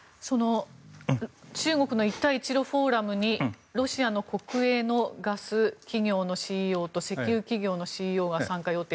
中国の一帯一路フォーラムにロシアの国営のガス企業のＣＥＯと石油企業のＣＥＯが参加予定。